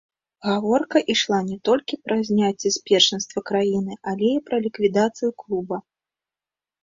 Гаворка ішла не толькі пра зняцце з першынства краіны, але і пра ліквідацыю клуба.